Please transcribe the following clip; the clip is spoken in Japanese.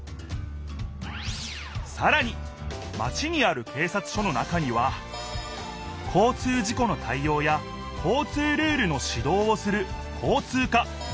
さらにマチにある警察署の中には交通事故の対応や交通ルールのしどうをする交通課。